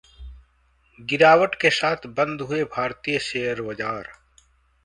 गिरावट के साथ बंद हुए भारतीय शेयर बाजार